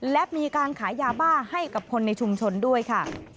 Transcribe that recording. และมีการขายยาบ้าให้กับคนในชุมชนด้วยค่ะ